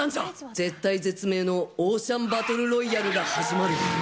絶体絶命のオーシャンバトルロイヤルが始まる。